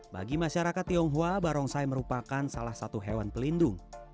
bagi masyarakat tionghoa barongsai merupakan salah satu hewan pelindung